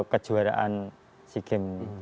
kejuaraan sea games